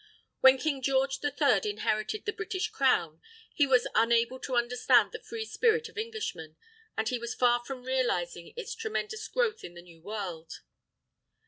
When King George the Third inherited the British Crown, he was unable to understand the free spirit of Englishmen. And he was far from realizing its tremendous growth in the New World.